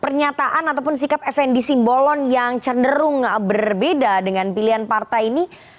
pernyataan ataupun sikap fnd simbolon yang cenderung berbeda dengan pilihan partai ini